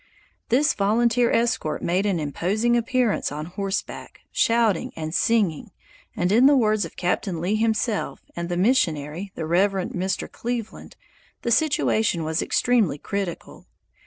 This volunteer escort made an imposing appearance on horseback, shouting and singing, and in the words of Captain Lea himself and the missionary, the Reverend Mr. Cleveland, the situation was extremely critical.